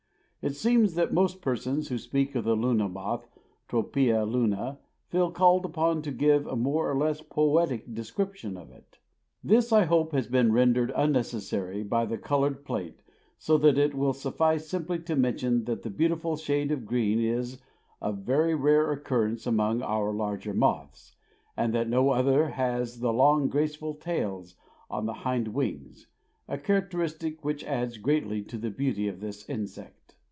It seems that most persons who speak of the Luna moth (Tropaea luna) feel called upon to give a more or less poetic description of it. This, I hope, has been rendered unnecessary by the colored plate, so that it will suffice simply to mention that the beautiful shade of green is of very rare occurrence among our larger moths, and that no other has the long, graceful "tails" on the hind wings, a characteristic which adds greatly to the beauty of this insect.